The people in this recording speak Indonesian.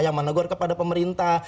yang menegur kepada pemerintah